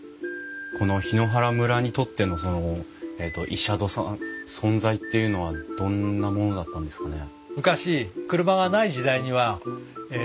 この檜原村にとってのその医者殿さん存在っていうのはどんなものだったんですかね？